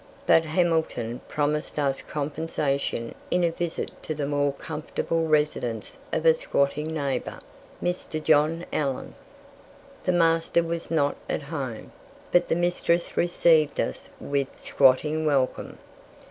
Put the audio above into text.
But Hamilton promised us compensation in a visit to the more comfortable residence of a squatting neighbour, Mr. John Allen. The master was not at home, but the mistress received us with squatting welcome.